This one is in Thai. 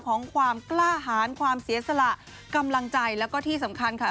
ของความกล้าหารความเสียสละกำลังใจแล้วก็ที่สำคัญค่ะ